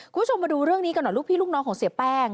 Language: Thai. คุณผู้ชมมาดูเรื่องนี้กันหน่อยลูกพี่ลูกน้องของเสียแป้ง